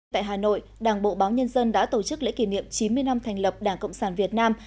tại hà nội đảng bộ báo nhân dân đã tổ chức lễ kỷ niệm chín mươi năm thành lập đảng cộng sản việt nam